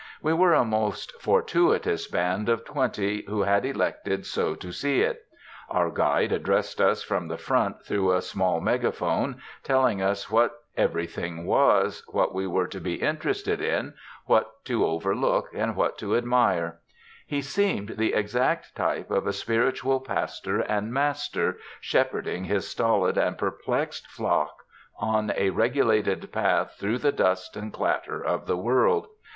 We were a most fortuitous band of twenty, who had elected so to see it. Our guide addressed us from the front through a small megaphone, telling us what everything was, what we were to be interested in, what to overlook, what to admire. He seemed the exact type of a spiritual pastor and master, shepherding his stolid and perplexed flock on a regulated path through the dust and clatter of the world.